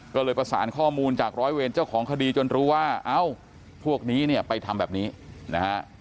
ก็เลยประสานข้อมูลจากร้อยเวรเจ้าของคดีจนรู้ว่าเอ้าพวกนี้เนี่ยไปทำแบบนี้นะฮะ